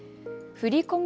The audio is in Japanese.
振り込め